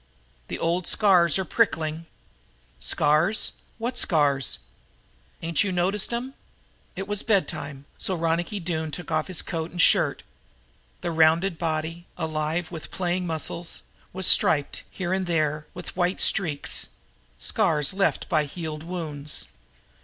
"The old scars are prickling." "Scars? What scars?" "Ain't you noticed 'em." It was bedtime, so Ronicky Doone took off his coat and shirt. The rounded body, alive with playing muscles, was striped, here and there, with white streaks scars left by healed wounds.